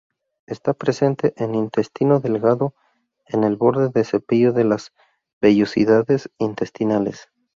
Está presente en intestino delgado, en el borde de cepillo de las vellosidades intestinales.